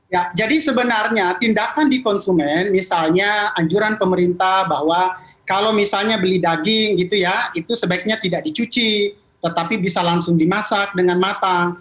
ya jadi sebenarnya tindakan di konsumen misalnya anjuran pemerintah bahwa kalau misalnya beli daging gitu ya itu sebaiknya tidak dicuci tetapi bisa langsung dimasak dengan matang